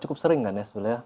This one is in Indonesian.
cukup sering kan ya sebenarnya